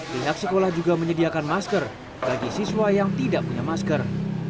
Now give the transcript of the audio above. pihak sekolah juga menyediakan masker bagi siswa yang tidak punya masker